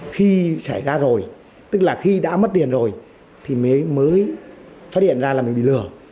khi xảy ra rồi tức là khi đã mất tiền rồi thì mới phát hiện ra là mình bị lừa